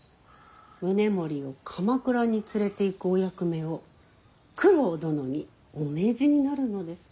宗盛を鎌倉に連れていくお役目を九郎殿にお命じになるのです。